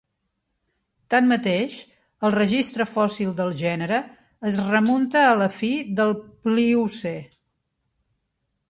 Tanmateix, el registre fòssil del gènere es remunta a la fi del Pliocè.